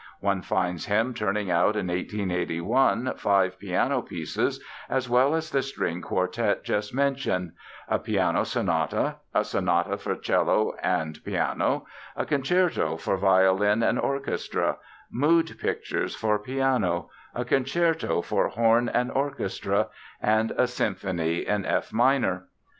One finds him turning out in 1881 five piano pieces as well as the string quartet just mentioned; a piano sonata, a sonata for cello and piano, a concerto for violin and orchestra, Mood Pictures for piano, a concerto for horn and orchestra, and a symphony in F minor.